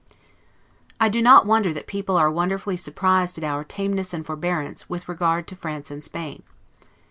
I do not wonder that people are wonderfully surprised at our tameness and forbearance, with regard to France and Spain.